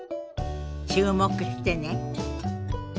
注目してね。